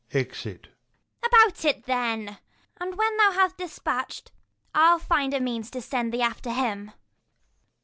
[Exit. Ragan. About it then, and when thou hast dispatch'd, I'll find a means to send thee after him.